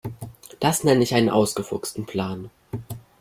Das nenne ich einen ausgefuchsten Plan.